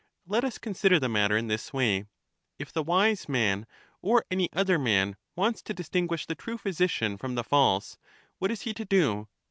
Let us consider the matter in this way: If the wise man or any other man wants to distinguish the true physician from the false, what is he to do?